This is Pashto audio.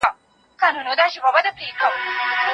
که ښوونکی پوره پوهه ونلري نو زده کوونکي بې لاري کیږي.